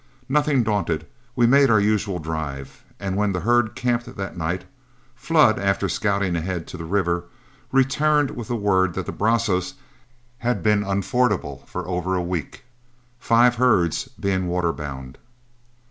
Nothing daunted, we made our usual drive; and when the herd camped that night, Flood, after scouting ahead to the river, returned with the word that the Brazos had been unfordable for over a week, five herds being waterbound.